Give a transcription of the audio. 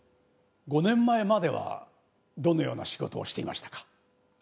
５年前まではどのような仕事をしていましたか？